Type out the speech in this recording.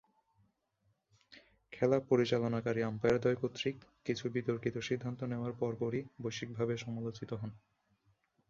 খেলা পরিচালনাকারী আম্পায়ারদ্বয় কর্তৃক কিছু বিতর্কিত সিদ্ধান্ত নেয়ার পরপরই বৈশ্বিকভাবে সমালোচিত হন।